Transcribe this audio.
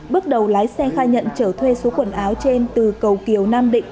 bước đầu lái xe khai nhận trở thuê số quần áo trên từ cầu kiều nam định